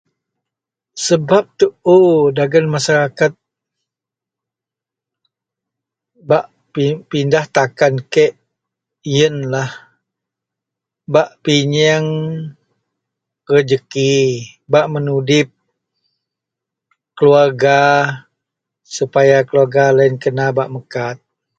Sebab tuu dagen masaraket bak pin..pindah takan kek yenlah bak pinyeang rejeki bak menudip keluwerga supaya keluwerga loyen kena bak mekat